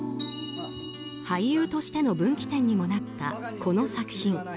俳優としての分岐点にもなったこの作品。